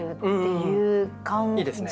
いいですね。